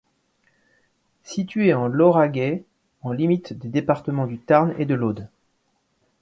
Située en Lauragais en limite des départements du Tarn et de l'Aude.